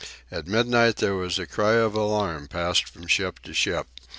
At midnight there was a cry of alarm passed from ship to ship.